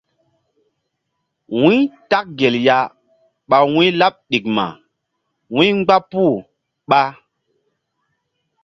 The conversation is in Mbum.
Wu̧y tak gel ya ɓa wu̧y̧-laɓ ɗikma wu̧y mgba puh ɓa.